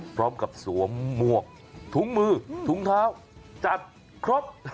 พร้อมกับสวมมวกถุงมือถุงเท้าจัดครบ